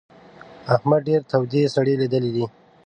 احمد ډېرې تودې سړې ليدلې دي.